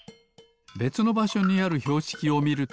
べつのばしょにあるひょうしきをみると。